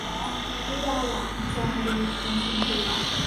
วิวาห์หวาม - จามรี พรรณชมพู